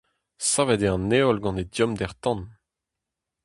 Savet eo an heol gant e dommder-tan.